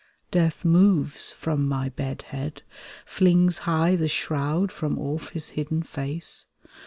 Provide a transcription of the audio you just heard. Death moves from my bed head. Flings high the shroud from off his hidden face.